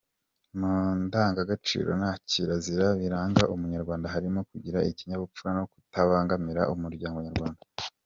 Mu ndangagaciro na kirazira biranga umunyarwanda harimo kugira ikinyabupfura no kutabangamira umuryango nyarwanda.